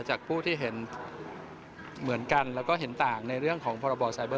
จากผู้ที่เห็นเหมือนกันแล้วก็เห็นต่างในเรื่องของพรบไซเบอร์